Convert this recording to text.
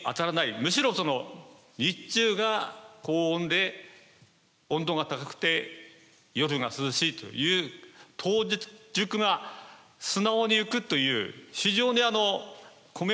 むしろその日中が高温で温度が高くて夜が涼しいという登熟が素直にいくという非常にコメもきれいですし一等米です。